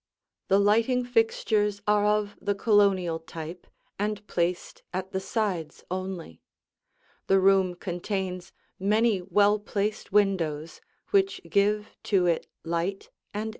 The lighting fixtures are of the Colonial type and placed at the sides only. The room contains many well placed windows which give to it light and air.